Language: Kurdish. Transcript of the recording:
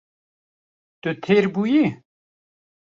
Tu têr bûyî?